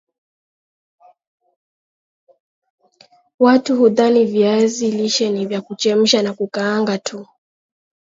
watu hudhani viazi lishe nivya kuchemsha na kukaanga tu